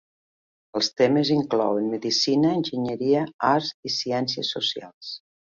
Els temes inclouen medicina, enginyeria, arts i ciències socials.